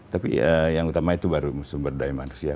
tapi yang utama itu baru sumber daya manusia